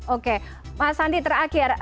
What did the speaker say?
oke mas andi terakhir